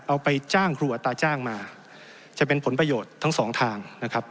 เอาไปจ้างครูอัตราจ้างมาจะเป็นผลประโยชน์ทั้งสองทางนะครับ